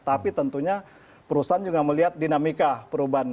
tapi tentunya perusahaan juga melihat dinamika perubahan